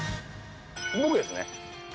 僕ですね。